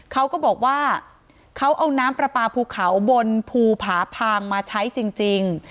เขาก็บอกว่าเขาเอาน้ำปลาปลาภูเขาบนภูผาพางมาใช้จริง